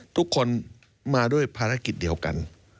ทุกคนมาด้วยภารกิจเดียวกัน